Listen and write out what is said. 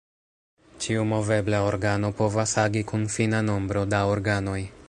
Ĉiu movebla organo povas agi kun fina nombro da organoj.